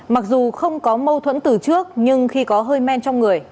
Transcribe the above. mặc dù không có mâu thuẫn từ trước nhưng khi có hơi men trong người